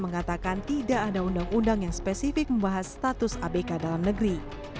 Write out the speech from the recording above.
mengatakan tidak ada undang undang yang spesifik membahas status abk dalam negeri